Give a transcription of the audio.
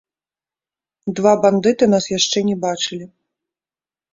Два бандыты нас яшчэ не бачылі.